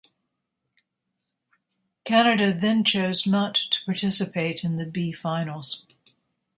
Canada then chose not to participate in the B Finals.